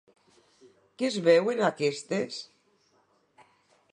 Què es veu en aquestes?